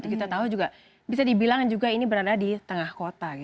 kita tahu juga bisa dibilang juga ini berada di tengah kota